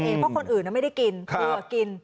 เพราะคนอื่นนั้นไม่ได้กินเธอกิน